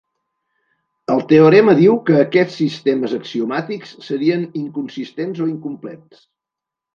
El teorema diu que aquests sistemes axiomàtics serien inconsistents o incomplets.